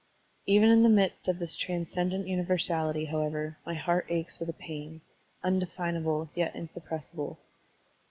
Even in the midst of this transcendent universality, however, my heart aches with a pain, undefinable yet insuppressible.